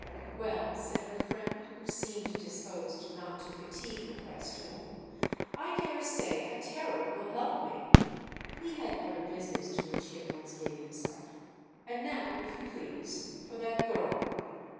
"Well," said her friend, who seemed disposed not to fatigue the question, "I dare say a terror will help me." He had other business to which he at once gave himself. "And now, if you please, for that girl."